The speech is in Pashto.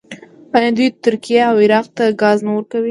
آیا دوی ترکیې او عراق ته ګاز نه ورکوي؟